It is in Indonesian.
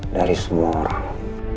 dari semua orang